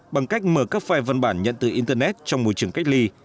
bằng cách mở các file văn bản nhận từ internet trong môi trường cách ly